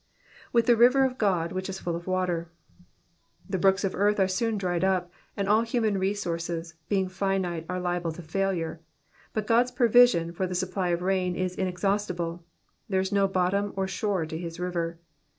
'* With the river of Ood, which is full of water, '^'^ The brooks of earth are soon dried up, and all human resources, being finite, are liable to failure ; but God*s provision for the supply of rain is inexhaustible ; there is no bottom or shore to his river.